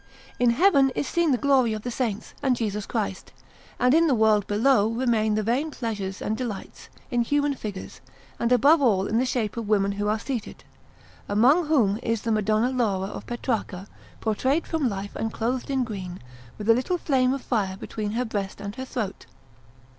In Heaven is seen the glory of the Saints, and Jesus Christ; and in the world below remain the vain pleasures and delights, in human figures, and above all in the shape of women who are seated, among whom is the Madonna Laura of Petrarca, portrayed from life and clothed in green, with a little flame of fire between her breast and her throat.